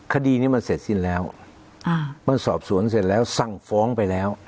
คดีนี้มันเสร็จสิ้นแล้วมันสอบสวนเสร็จแล้วสั่งฟ้องไปแล้ว